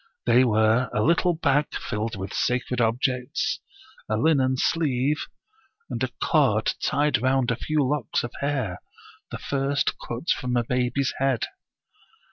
They were a little bag filled with sacred objects, a linen sleeve, and a cord tied round a few locks of hair, the first cut from a baby's head.